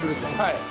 はい。